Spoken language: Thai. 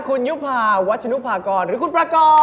คุณยุภาวัชนุภากรหรือคุณประกอบ